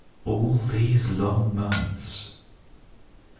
All these long months!